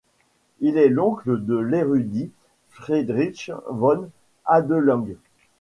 Il est l'oncle de l'érudit Friedrich von Adelung.